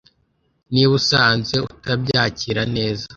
Niba usanze utabyakira neza